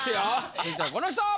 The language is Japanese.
続いてはこの人！